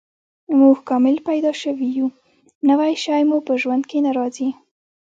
موږ کامل پیدا شوي یو، نوی شی مو په ژوند کې نه راځي.